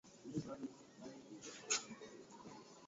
katika msitu huo lakini cha kushangaza makabila hamsini